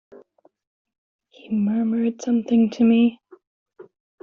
He murmured something to me.